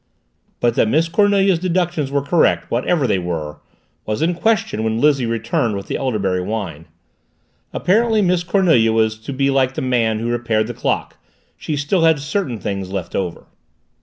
But that Miss Cornelia's deductions were correct, whatever they were, was in question when Lizzie returned with the elderberry wine. Apparently Miss Cornelia was to be like the man who repaired the clock: she still had certain things left over.